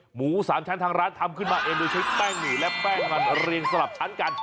หมูสามชั้นทางร้านทำขึ้นมาเองโดยใช้แป้งหมี่และแป้งมันเรียงสลับชั้นกัน